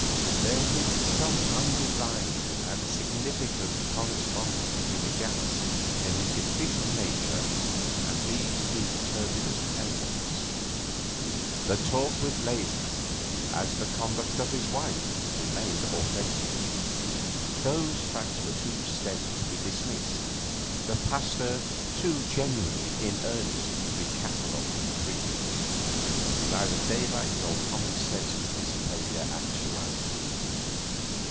There hid some undivined and significant correspondence between the gaps in his deficient nature and these two turbulent elements. The talk with Leysin, as the conduct of his wife, remained authentic; those facts were too steady to be dismissed, the Pasteur too genuinely in earnest to be catalogued in dream. Neither daylight nor common sense could dissipate their actuality.